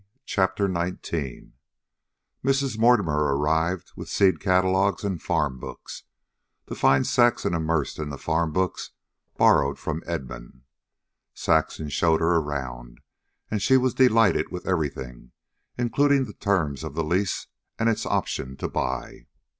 CHAPTER XIX Mrs. Mortimer arrived with seed catalogs and farm books, to find Saxon immersed in the farm books borrowed from Edmund. Saxon showed her around, and she was delighted with everything, including the terms of the lease and its option to buy.